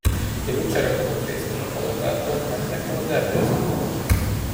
Én úgyse rakhatok fészket a palotádban, mert nekem az erdő az otthonom.